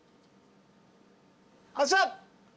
発射！